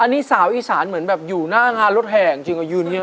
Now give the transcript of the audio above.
อันนี้สาวอีสานเหมือนแบบอยู่หน้างานรถแห่จริงยืนเยอะ